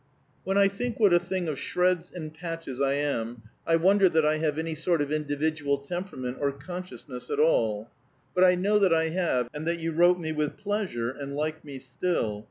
"When I think what a thing of shreds and patches I am, I wonder that I have any sort of individual temperament or consciousness at all. But I know that I have, and that you wrote me with pleasure and like me still.